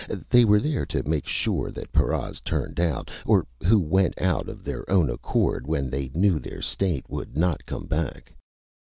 They were there to make sure that paras turned out, or who went out of their own accord when they knew their state, would not come back.